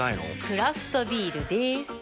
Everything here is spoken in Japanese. クラフトビールでーす。